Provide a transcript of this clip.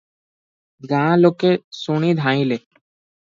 ଗାଁ ଲୋକେ ଶୁଣି ଧାଇଁଲେ ।